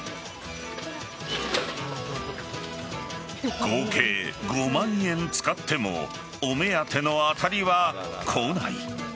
合計５万円使ってもお目当ての当たりは来ない。